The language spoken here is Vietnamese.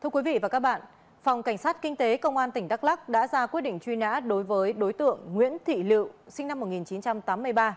thưa quý vị và các bạn phòng cảnh sát kinh tế công an tỉnh đắk lắc đã ra quyết định truy nã đối với đối tượng nguyễn thị lựu sinh năm một nghìn chín trăm tám mươi ba